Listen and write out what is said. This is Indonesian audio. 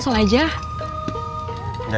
gimana mau diancam